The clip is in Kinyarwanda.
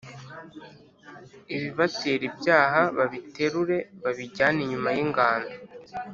Ibibatera ibyaha babiterure babijyane inyuma y’ingando